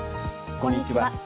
こんにちは。